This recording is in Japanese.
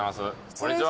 こんにちは。